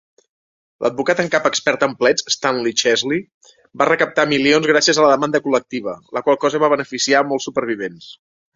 L'advocat en cap expert en plets Stanley Chesley va recaptar milions gràcies a la demanda col·lectiva, la qual cosa va beneficiar molts supervivents.